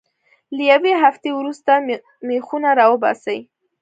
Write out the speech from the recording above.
له یوې هفتې وروسته میخونه را وباسئ.